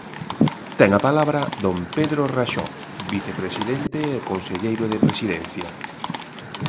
Ten a palabra don Pedro Raxó, vicepresidente e conselleiro de Presidencia.